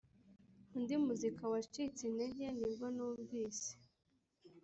undi muzika wacitse intege nibwo numvise